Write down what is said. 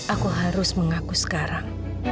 aku harus mengaku sekarang